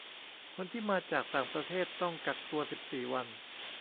คนที่มาจากต่างประเทศต้องกักตัวสิบสี่วัน